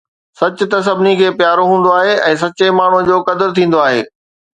سچ ته سڀني کي پيارو هوندو آهي ۽ سچي ماڻهوءَ جو قدر ٿيندو آهي